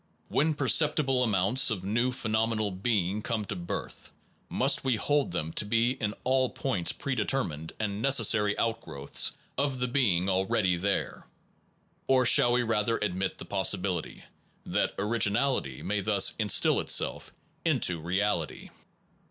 When perceptible amounts of new phenomenal being come to birth, must we hold them to be in all points predetermined and necessary outgrowths of the being already there, or shall we rather admit the possibility that originality may thus instil itself into reality?